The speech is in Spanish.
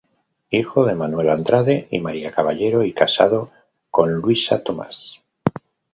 Hijo de Manuel Andrade y María Caballero y casado con Luisa Tomás.